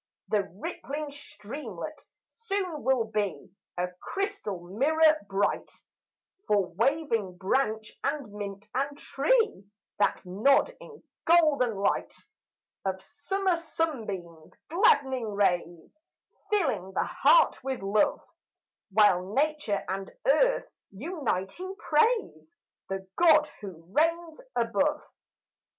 The rippling streamlet soon will be A crystal mirror bright For waving branch and mint and tree That nod in golden light Of summer sunbeams glad'ning rays Filling the heart with love, While nature and earth, uniting, praise The God who reigns above.